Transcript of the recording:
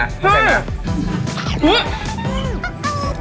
ใช่